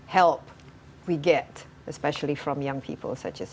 semakin banyak bantuan yang kita dapatkan